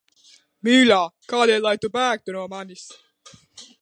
Mīļā, kādēļ lai tu bēgtu no manis?